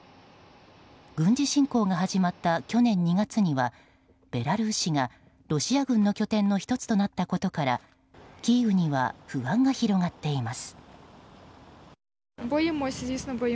軍事侵攻が始まった去年２月にはベラルーシがロシア軍の拠点の１つとなったことからキーウには不安が広がっています。